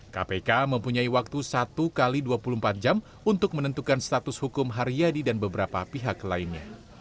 kpk mempunyai waktu satu x dua puluh empat jam untuk menentukan status hukum haryadi dan beberapa pihak lainnya